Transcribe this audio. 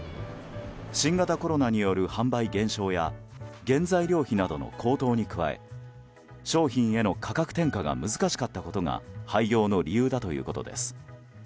新型コロナによる販売減少や原材料費などの高騰に加え商品への価格転嫁が難しかったことが廃業の理由だということです。